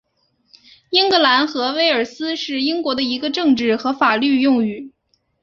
英格兰和威尔斯是英国的一个政治和法律用语。